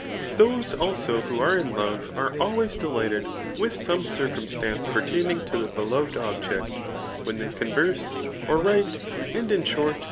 Those also who are in love, ase always delighted widi some drcuinstance pertaming to the rbelored pbjMb when they converse, or write, and in short